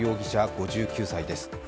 ５９歳です。